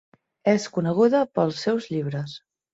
És coneguda pels seus llibres.